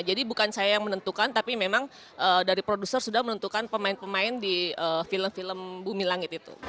jadi bukan saya yang menentukan tapi memang dari produser sudah menentukan pemain pemain di film film bumi langit itu